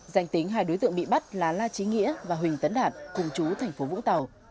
danh tính hai đối tượng bị bắt là la trí nghĩa và huỳnh tấn đạt cùng chú thành phố vũng tàu